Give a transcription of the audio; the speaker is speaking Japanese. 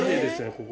ここ。